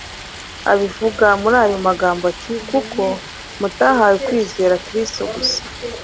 Abivuga muri aya magambo ati, “Kuko mutahawe kwizera Kristo gusa,